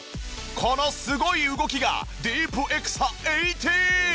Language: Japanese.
このすごい動きがディープエクサ１８！